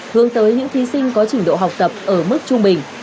hướng tới những thí sinh có trình độ học tập ở mức trung bình